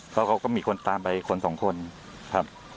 แล้วเขาก็มีคนตามไปคนสองคนครับ